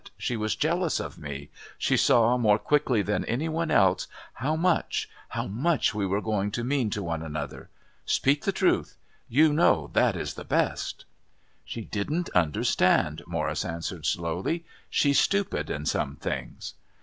She was jealous of me. She saw, more quickly than any one else, how much how much we were going to mean to one another. Speak the truth. You know that is the best." "She didn't understand," Morris answered slowly. "She's stupid in some things."